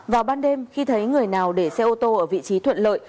vào ban đêm khi thấy người nào để xe ô tô ở vị trí thuận lợi